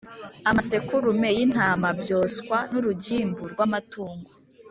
amasekurume y’intama byoswa n’urugimbu rw’amatungo